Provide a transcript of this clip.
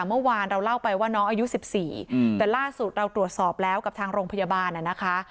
เมื่อวานเราเล่าไปว่าน้องอายุ๑๔แต่ล่าสุดเราตรวจสอบแล้วกับทางโรงพยาบาลนะคะ